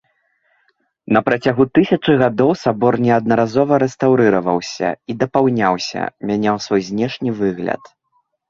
На працягу тысячы гадоў сабор неаднаразова рэстаўрыраваўся і дапаўняўся, мяняў свой знешні выгляд.